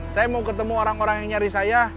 saya mau ketemu orang orang yang nyari saya